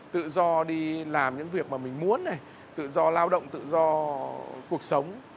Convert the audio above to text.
tự do đi làm những việc mà mình muốn này tự do lao động tự do cuộc sống